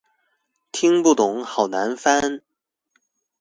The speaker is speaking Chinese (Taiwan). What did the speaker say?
聽不懂，好難翻